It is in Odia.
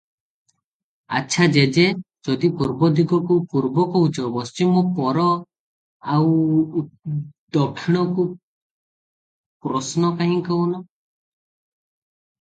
ଆଛା ଜେଜେ ଯଦି ପୂର୍ବ ଦିଗକୁ ପୂର୍ବ କହୁଛ, ପଶ୍ଚିମକୁ ପର ଆଉ ଦକ୍ଷିଣ କୁ ପ୍ରଶ୍ନ କାହିଁକି କହୁନ?